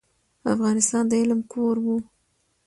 افغانستان د علم کور و.